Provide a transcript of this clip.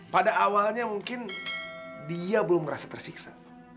pada awalnya mungkin dia belum merasa tersiksa